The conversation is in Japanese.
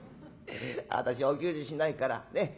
私はお給仕しないからねっ？